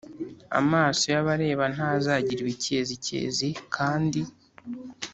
Amaso y abareba ntazagira ibikezikezi kandi